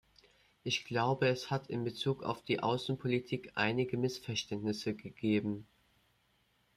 Ich glaube, es hat in Bezug auf die Außenpolitik einige Missverständnisse gegeben.